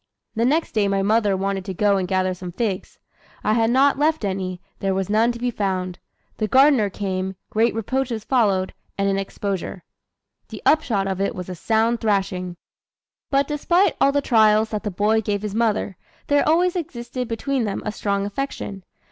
The next day my mother wanted to go and gather some figs. I had not left any, there was none to be found. The gardener came, great reproaches followed, and an exposure." The upshot of it was a sound thrashing! But despite all the trials that the boy gave his mother, there always existed between them a strong affection.